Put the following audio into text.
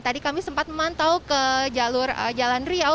tadi kami sempat memantau ke jalur jalan riau